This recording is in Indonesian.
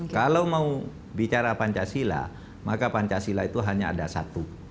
kalau mau bicara pancasila maka pancasila itu hanya ada satu